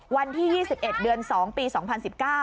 วันที่ยี่สิบเอ็ดเดือนสองปีสองพันสิบเก้า